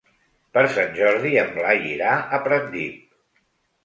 Per Sant Jordi en Blai irà a Pratdip.